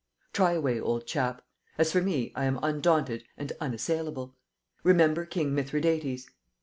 Try away, old chap. As for me, I am undaunted and unassailable. Remember King Mithridates!"